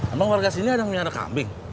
emang warga sini ada yang menyara kambing